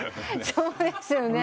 そうですよね。